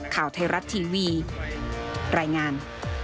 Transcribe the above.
ข่าวไทยรัฐทีวีรายงาน